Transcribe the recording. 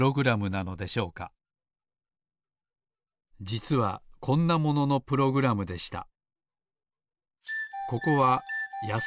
じつはこんなもののプログラムでした。